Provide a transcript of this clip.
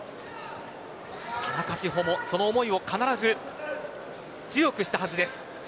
田中志歩も、その思いを必ず強くしたはずです。